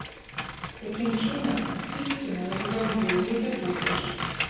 Такім чынам, ісціна, як заўжды, недзе побач.